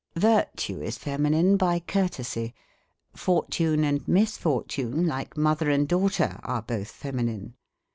Virtue is feminihe by courtesy. Fortune and 7nishrtune, like mother and daughter, are both feminine.